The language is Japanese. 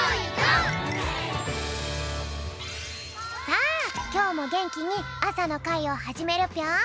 さあきょうもげんきにあさのかいをはじめるぴょん！